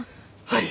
はい。